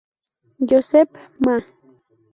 Josep Ma.